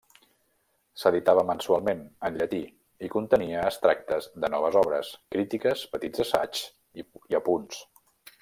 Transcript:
S'editava mensualment, en llatí, i contenia extractes de noves obres, crítiques, petits assaigs i apunts.